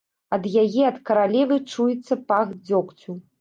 Ад яе, ад каралевы, чуецца пах дзёгцю.